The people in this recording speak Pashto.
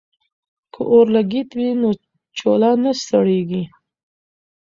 که اورلګیت وي نو چولہ نه سړیږي.